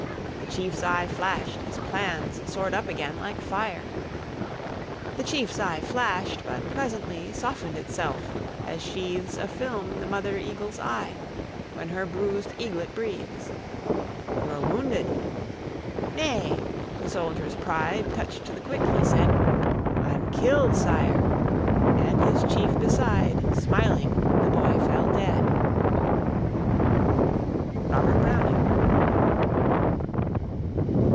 The chief's eye flashed; his plans Soared up again like fire. The chief's eye flashed; but presently Softened itself, as sheathes A film the mother eagle's eye When her bruised eaglet breathes; "You're wounded!" "Nay," the soldier's pride Touched to the quick, he said: "I'm killed, Sire!" And his chief beside, Smiling the boy fell dead. ROBERT BROWNING.